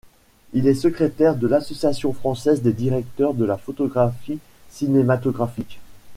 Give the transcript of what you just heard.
Il est secrétaire de l'Association française des directeurs de la photographie cinématographique.